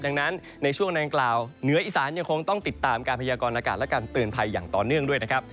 ดังนั้นในช่วงดังกล่าวเหนืออีสานยังคงต้องติดตามการพยากรณากาศและการเตือนภัยอย่างต่อเนื่องด้วยนะครับ